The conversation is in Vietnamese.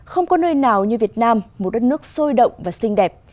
không có nơi nào như việt nam một đất nước sôi động và xinh đẹp